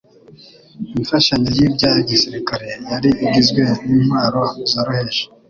Imfashanyo y'ibya gisirikare yari igizwe n'intwaro zoroheje